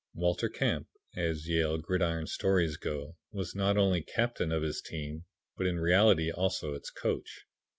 Walter Camp, as Yale gridiron stories go, was not only captain of his team, but in reality also its coach.